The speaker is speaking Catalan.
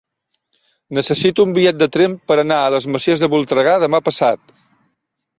Necessito un bitllet de tren per anar a les Masies de Voltregà demà passat.